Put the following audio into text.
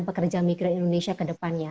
pekerja migrant indonesia kedepannya